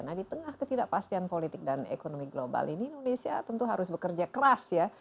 nah di tengah ketidakpastian politik dan ekonomi global ini indonesia tentu harus bekerja keras ya